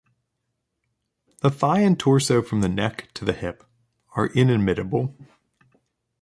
The thigh and torso from the neck to the hip are inimitable.